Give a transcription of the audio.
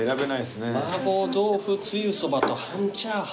麻婆豆腐つゆそばと半チャーハン。